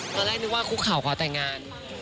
ตอนแรกนึกว่าคุกเขาขอแต่งงาน